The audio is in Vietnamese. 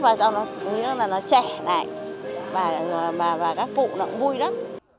và cho nó trẻ lại và các cụ cũng vui lắm